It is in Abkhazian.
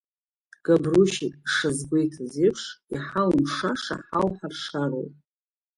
Габрушьа ишазгәеиҭаз еиԥш, иҳалымшаша ҳалҳаршароуп.